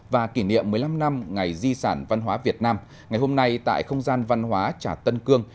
và kỷ niệm một mươi năm năm ngày di sản văn hóa việt nam ngày hôm nay tại không gian văn hóa trà tân cương